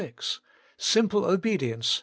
6), simple Obedience (ch.